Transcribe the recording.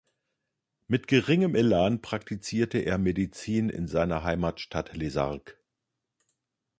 Mit geringem Elan praktizierte er Medizin in seiner Heimatstadt Les Arcs.